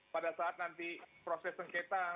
pada saat nanti proses sengketa